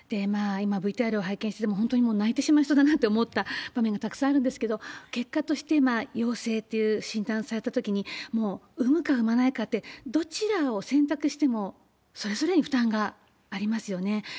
今、ＶＴＲを拝見してても、本当に泣いてしまいそうだなと思った場面がたくさんあるんですけど、結果として陽性という診断されたときに、もう産むか、産まないかって、どちらを選択しても、それぞれに負担がありますよね。